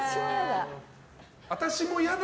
私も嫌だ。